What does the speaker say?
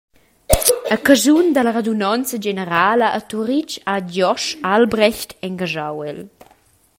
A caschun dalla radunonza generala a Turitg ha Giosch Albrecht engaschau el.